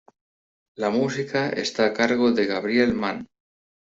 La música está a cargo de Gabriel Mann.